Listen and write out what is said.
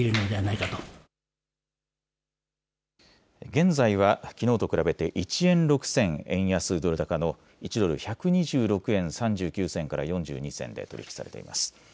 現在はきのうと比べて１円６銭円安ドル高の１ドル１２６円３９銭から４２銭で取り引きされています。